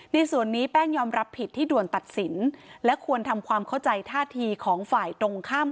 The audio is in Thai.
ในส่วนนี้แป้งยอมรับผิดที่ด่วนตัดสินและควรทำความเข้าใจท่าทีของฝ่ายตรงข้าม